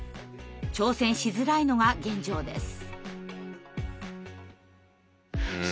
挑戦しづらいのが現状です。